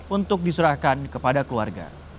untuk diserahkan kepada keluarga